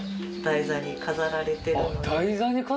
台座に飾られてるんすか？